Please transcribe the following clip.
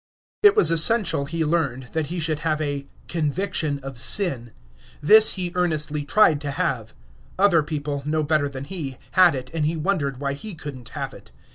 It was essential he learned, that he should have a "conviction of sin." This he earnestly tried to have. Other people, no better than he, had it, and he wondered why he could n't have it.